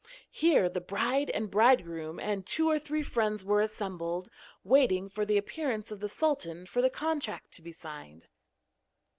Here the bride and bridegroom and two or three friends were assembled, waiting for the appearance of the sultan for the contract to be signed.